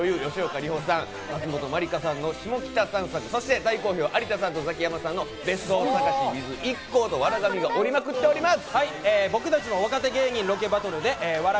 今回は女優・吉岡里帆さん、松本まりかさんのシモキタ散策、そして大好評、有田さんとザキヤマさんの別荘探しｗｉｔｈＩＫＫＯと笑神が降りまくっております。